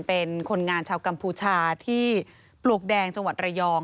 เป็นคนงานชาวกัมพูชาที่ปลวกแดงจังหวัดระยอง